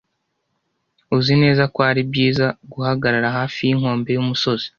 Uzi neza ko ari byiza guhagarara hafi yinkombe yumusozi?